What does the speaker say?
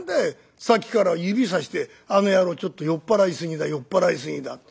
さっきから指さしてあの野郎ちょっと酔っ払いすぎだ酔っ払いすぎだって。